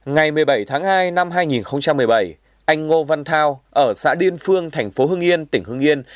ngày một mươi bảy tháng hai năm hai nghìn một mươi bảy anh ngô văn thao ở xã điên phương thành phố hưng yên tỉnh hưng yên